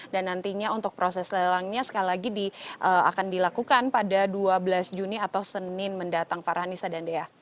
nantinya untuk proses lelangnya sekali lagi akan dilakukan pada dua belas juni atau senin mendatang farhanisa dan dea